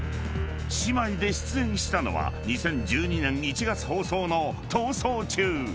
［姉妹で出演したのは２０１２年１月放送の『逃走中』］